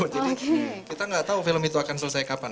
jadi kita gak tahu film itu akan selesai kapan